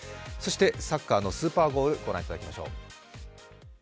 そしてサッカーのスーパーゴール御覧いただきましょう。